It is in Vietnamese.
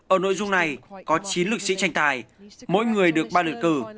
ở nội dung này có chín lực sĩ tranh tài mỗi người được ba lượt cử